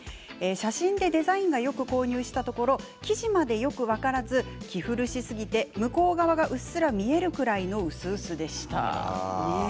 写真でデザインがよく購入したところ生地までよく分からず着古しすぎて向こう側がうっすら見えるぐらい薄かったです。